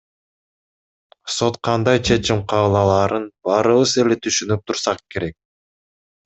Сот кандай чечим кабыл алаарын баарыбыз эле түшүнүп турсак керек.